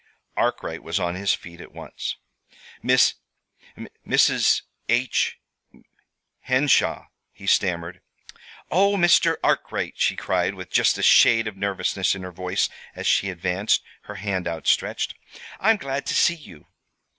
Arkwright was on his feet at once. "Miss Mrs. H Henshaw," he stammered "Oh, Mr. Arkwright," she cried, with just a shade of nervousness in her voice as she advanced, her hand outstretched. "I'm glad to see you."